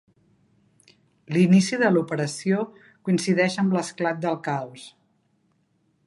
L'inici de l'operació coincideix amb l'esclat del caos.